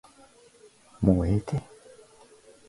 もうええて